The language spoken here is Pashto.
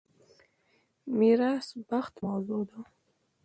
میراث بخت موضوع ده.